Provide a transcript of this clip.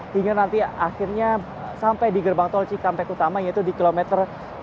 hingga nanti akhirnya sampai di gerbang tol cikampek utama yaitu di kilometer empat puluh